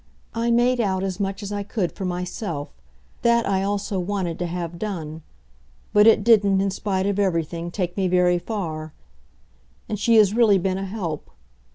I made out as much as I could for myself that I also wanted to have done; but it didn't, in spite of everything, take me very far, and she has really been a help.